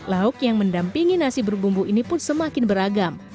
lauk yang mendampingi nasi berbumbu ini pun semakin beragam